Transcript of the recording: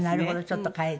ちょっと変えて。